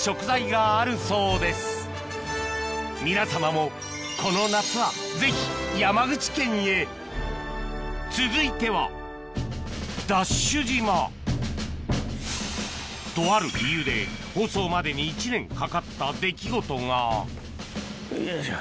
皆さまもぜひ続いてはＤＡＳＨ島とある理由で放送までに１年かかった出来事がよいしょ。